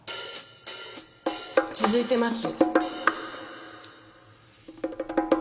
続いてます。